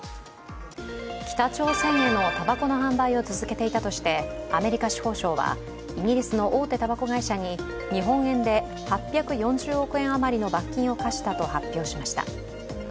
北朝鮮へのたばこの販売を続けていたとしてアメリカ司法省はイギリスの大手たばこ会社に日本円で８４０億円余りの罰金を科したと発表しました。